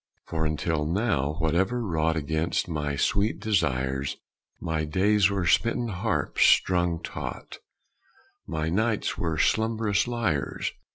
For until now, whatever wrought Against my sweet desires, My days were smitten harps strung taut, My nights were slumbrous lyres.